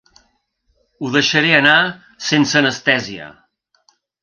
Ho deixaré anar sense anestèsia.